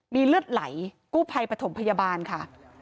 มีเลือดไหลกู้ภัยปฐมพยาบาลค่ะ